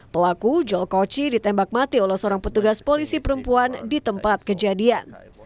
pelaku jol koci ditembak mati oleh seorang petugas polisi perempuan di tempat kejadian